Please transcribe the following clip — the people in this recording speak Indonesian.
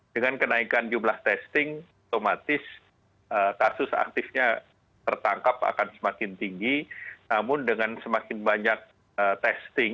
dengan kenaikan jumlah testing otomatis kasus aktifnya tertangkap akan semakin tinggi namun dengan semakin banyak testing